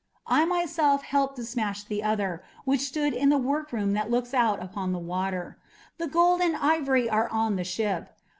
I myself helped to smash the other, which stood in the workroom that looks out upon the water. The gold and ivory are on the ship.